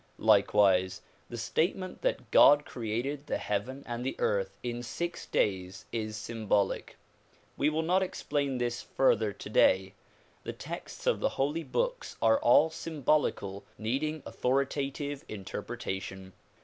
Likewise the statement that God created the heaven and the earth in six days is symbolic. We will not explain this further today. The texts of the holy books are all symbolical needing authoritative interpretation.